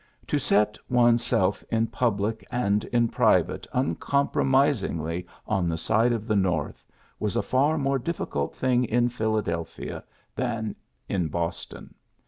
To set one's self in public and in private uncompromis ingly on the side of the North was a far more difficult thing in Philadelphia than in Boston.